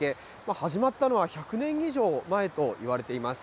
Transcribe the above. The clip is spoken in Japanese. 始まったのは１００年以上前といわれています。